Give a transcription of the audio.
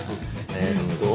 えっと。